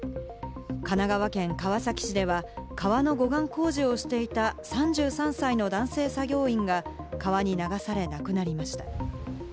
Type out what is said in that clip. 神奈川県川崎市では川の護岸工事をしていた３３歳の男性作業員が川に流され亡くなりました。